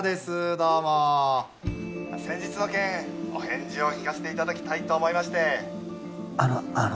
どうも☎先日の件お返事を聞かせていただきたいと思いましてあのあの